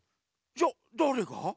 じゃだれが？